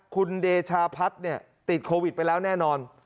คุณเดชาพัฒน์ติดโควิดไปแล้วแน่นอน